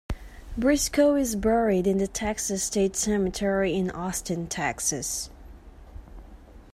Briscoe is buried in the Texas State Cemetery in Austin, Texas.